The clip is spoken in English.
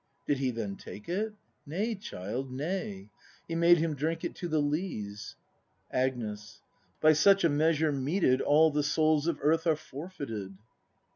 D i d He then take it ? Nay, child, nay: He made him drink it to the lees. Agnes. By such a measure meted, all The souls of earth are forfeited.